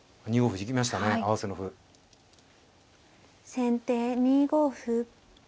先手２五歩。